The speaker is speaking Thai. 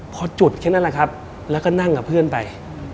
พอจุดแค่นั้นแหละครับแล้วก็นั่งกับเพื่อนไป